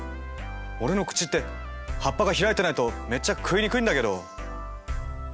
俺の口って葉っぱが開いてないとめっちゃ食いにくいんだけど？